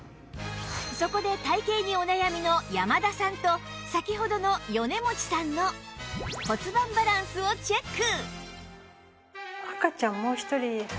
そこで体形にお悩みの山田さんと先ほどの米持さんの骨盤バランスをチェック！